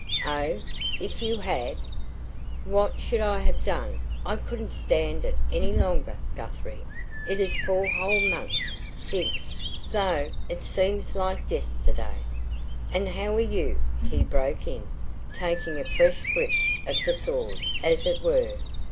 "Oh, if you had! What should I have done? I couldn't stand it any longer, Guthrie. It is four whole months since though it seems like yesterday " "And how are you?" he broke in, taking a fresh grip of the sword, as it were.